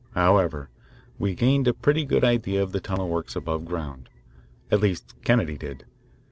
However, we gained a pretty good idea of the tunnel works above ground at least Kennedy did.